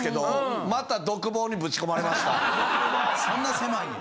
そんな狭いんや。